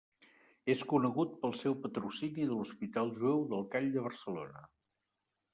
És conegut pel seu patrocini de l'hospital jueu del Call de Barcelona.